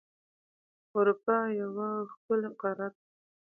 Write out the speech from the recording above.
اروپا یو ښکلی قاره ده.